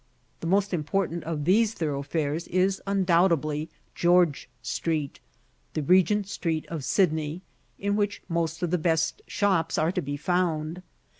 The most important of these thoroughfares is undoubtedly George Street the Regent Street of Sydney in which most of the best shops are to be found.